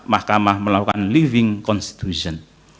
mahkamah melakukan living constitution